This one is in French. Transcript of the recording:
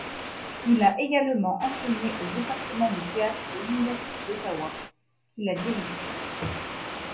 Il a également enseigné au Département de théâtre de l’Université d’Ottawa, qu’il a dirigé.